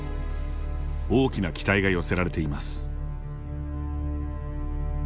大きな期待が寄せられています。